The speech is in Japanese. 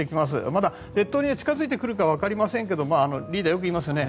まだ列島に近づいてくるか分かりませんがリーダー、よく言いますね